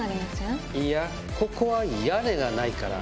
ここは屋根がないから。